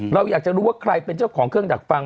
เราอยากจะรู้ว่าใครเป็นเจ้าของเครื่องดักฟัง